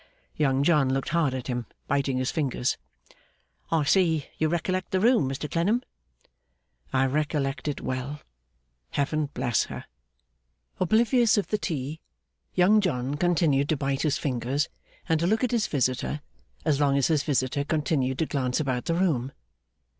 Young John looked hard at him, biting his fingers. 'I see you recollect the room, Mr Clennam?' 'I recollect it well, Heaven bless her!' Oblivious of the tea, Young John continued to bite his fingers and to look at his visitor, as long as his visitor continued to glance about the room.